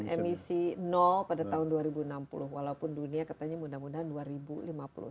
emisi nol pada tahun dua ribu enam puluh walaupun dunia katanya mudah mudahan dua ribu lima puluh enam